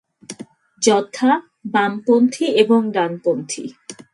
যথা: বামপন্থী এবং ডানপন্থী।